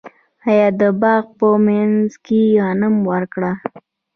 آیا د باغ په منځ کې غنم وکرم؟